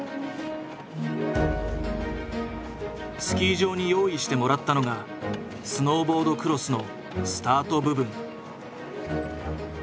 スキー場に用意してもらったのがスノーボードクロスのスタート部分。